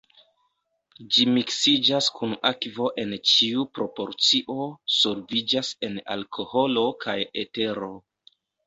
Ĝi miksiĝas kun akvo en ĉiu proporcio, solviĝas en alkoholo kaj etero.